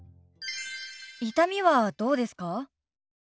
痛みはどうですか？